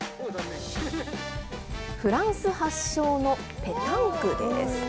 フランス発祥のペタンクです。